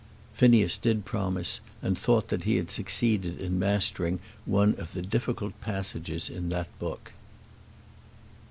Phineas did promise, and thought that he had succeeded in mastering one of the difficult passages in that book.